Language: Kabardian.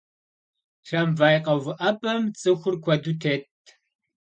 Трамвай къэувыӀэпӀэм цӀыхур куэду тетт.